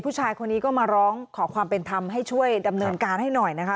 ผู้ชายคนนี้ก็มาร้องขอความเป็นธรรมให้ช่วยดำเนินการให้หน่อยนะคะ